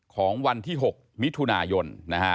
ของวันที่๖มิถุนายน